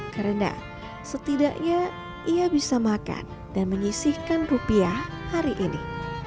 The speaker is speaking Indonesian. karena setidaknya ia bisa makan dan menyisihkan rupiah hari ini